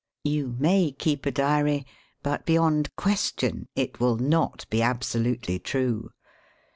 You may keep a diary, but beyond question it will not be absolutely true.